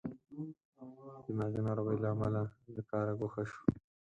دماغې ناروغۍ له امله له کاره ګوښه شو.